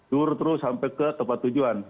dur terus sampai ke tempat tujuan